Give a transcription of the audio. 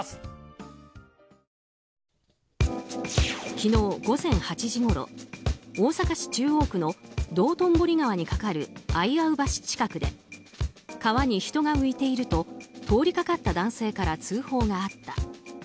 昨日、午前８時ごろ大阪市中央区の道頓堀川に架かる相合橋近くで川に人が浮いていると通りかかった男性から通報があった。